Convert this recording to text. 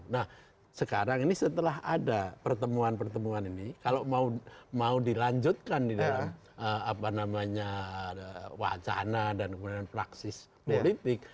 nah sekarang ini setelah ada pertemuan pertemuan ini kalau mau dilanjutkan di dalam wacana dan kemudian praksis politik